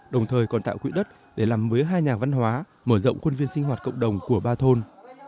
đồng thời còn tạo quỹ đất để làm mới hai nhà văn hóa mở rộng khuôn viên sinh hoạt cộng đồng của ba thôn